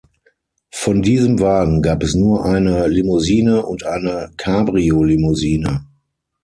Von diesem Wagen gab es nur eine Limousine und eine Cabriolimousine.